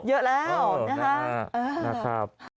เยอะแล้วนะครับ